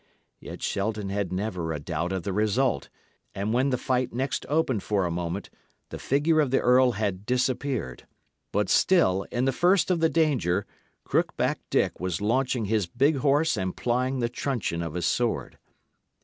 Yet Shelton had never a doubt of the result; and when the fight next opened for a moment, the figure of the earl had disappeared; but still, in the first of the danger, Crookback Dick was launching his big horse and plying the truncheon of his sword.